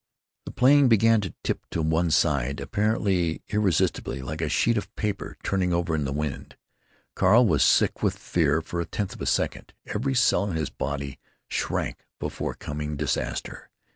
The plane began to tip to one side, apparently irresistibly, like a sheet of paper turning over in the wind. Carl was sick with fear for a tenth of a second. Every cell in his body shrank before coming disaster.